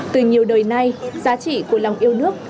từ nhiều đời nay giá trị của lòng yêu nước